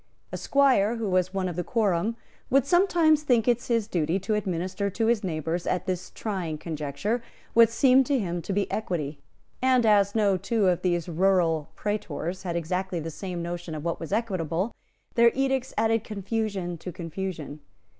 A squire who was one of the quorum would sometimes think it his duty to administer to his neighbours, at this trying conjuncture, what seemed to him to be equity; and as no two of these rural praetors had exactly the same notion of what was equitable, their edicts added confusion to confusion.